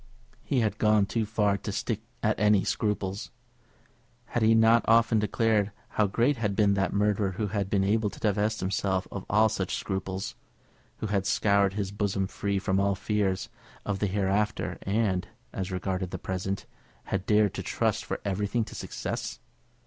He had gone too far to stick at any scruples. Had he not often declared how great had been that murderer who had been able to divest himself of all such scruples, who had scoured his bosom free from all fears of the hereafter, and, as regarded the present, had dared to trust for everything to success?